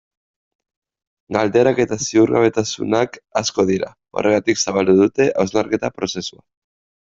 Galderak eta ziurgabetasunak asko dira, horregatik zabaldu dute hausnarketa prozesua.